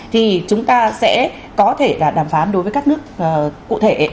thì chúng ta sẽ có thể là đàm phán đối với các nước cụ thể